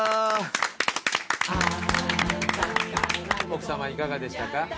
奥さまいかがでしたか？